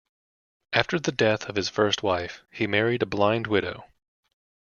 After the death of his first wife, he married a blind widow.